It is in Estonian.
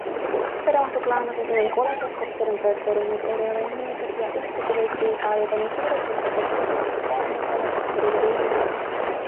Seda ohtu Klaamase sõnul pole, sest kopteri on projekteerinud erialainimesed ja ühtegi leeki ei saa ajada nii suureks, et see tekitaks ohtu seadmetele, kopterile või inimestele.